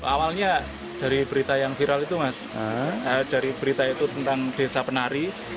awalnya dari berita yang viral itu mas dari berita itu tentang desa penari